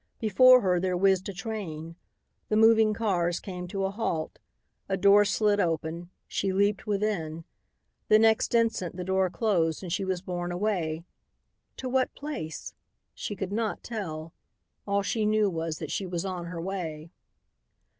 Before her there whizzed a train. The moving cars came to a halt. A door slid open. She leaped within. The next instant the door closed and she was borne away. To what place? She could not tell. All she knew was that she was on her way.